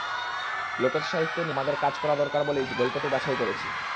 লোকজ সাহিত্য নিয়ে আমাদের কাজ করা দরকার বলেই গল্পটি বাছাই করেছি।